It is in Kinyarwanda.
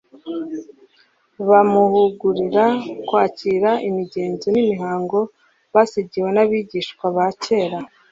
Bamuhugurira kwakira imigenzo n'imihango basigiwe n'abigisha ba kera,